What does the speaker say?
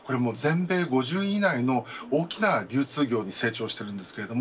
全米５０位以内の大きな流通業に成長しています。